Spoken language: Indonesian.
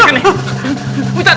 keluarin keluar ustadz